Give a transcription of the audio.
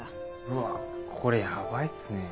うわっこれやばいっすね。